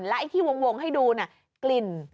แล้วไอ้ที่วงให้ดูนี่กลิ่น